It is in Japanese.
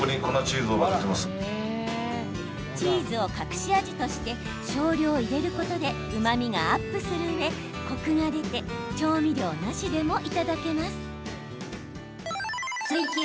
チーズを隠し味として少量、入れることでうまみがアップするうえコクが出て調味料なしでもいただけます。